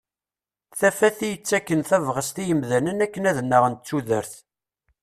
Tafat i yettakken tabɣest i yimdanen akken ad nnaɣen d tudert.